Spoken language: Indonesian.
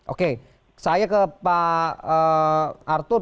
oke saya ke pak arthur